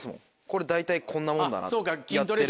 これ大体こんなもんだなって。